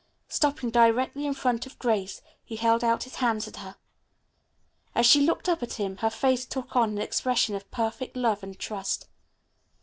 Stopping directly in front of Grace, he held out his hands to her. As she looked up at him her face took on an expression of perfect love and trust.